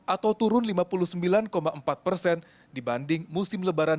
atau turun lima puluh sembilan empat persen dibanding musim lebaran